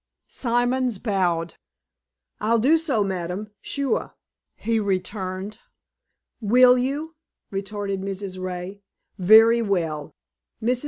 Simons bowed. "I'll do so, ma'am, suah!" he returned. "Will you?" retorted Mrs. Ray. "Very well. Mrs.